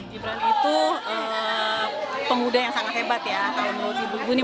gibran itu pengguda yang sangat hebat ya kalau menurut ibu ibu